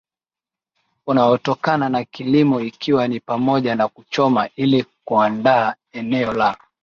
unaotokana na kilimo ikiwa ni pamoja na kuchoma ili kuandaa eneo la